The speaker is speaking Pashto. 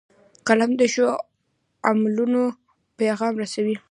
قلم د ښو عملونو پیغام رسوي